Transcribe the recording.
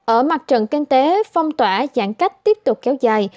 ở mặt trận kinh tế phong tỏa giãn cách tiếp tục kéo dài